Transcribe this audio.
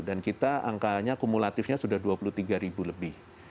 dan kita angkanya kumulatifnya sudah dua puluh tiga lebih